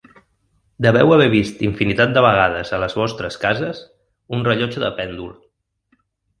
Deveu haver vist infinitat de vegades a les vostres cases un rellotge de pèndol.